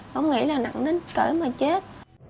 không nghĩ là nặng đến cỡ mà chết